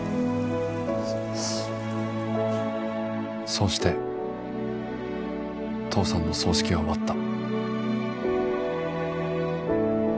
そうして父さんの葬式は終わった